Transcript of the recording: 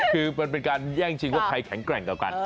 คือเป็นแย่งชิงว่าใครแข็งแกร่งกับกัน